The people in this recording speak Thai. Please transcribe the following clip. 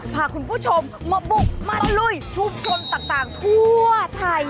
พาคุณผู้ชมมาบุกมาตะลุยชุมชนต่างทั่วไทย